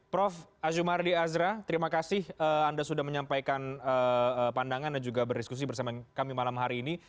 prof azumardi azra terima kasih anda sudah menyampaikan pandangan dan juga berdiskusi bersama kami malam hari ini